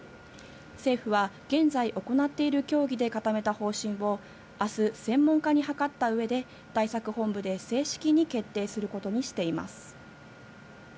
政府は現在行っている協議で固めた方針をあす、専門家に諮ったうえで、対策本部で正式に決定することにしています。